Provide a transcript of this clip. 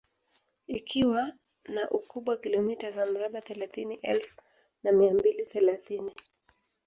Ikiwa na ukubwa kilomita za mraba thelathini elfu na mia mbili thelathini